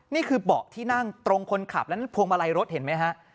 นี่คือเบาะที่นั่งตรงคนขับแล้วนั่นพวงมาลัยรถเห็นไหมฮะ